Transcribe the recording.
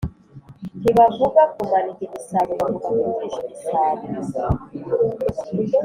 Ntibavuga kumanika igisabo bavuga kujisha igisabo